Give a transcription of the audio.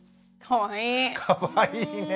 かわいいね。